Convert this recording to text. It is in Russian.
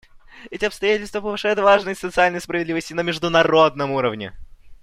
Эти обстоятельства повышают важность социальной справедливости на международном уровне.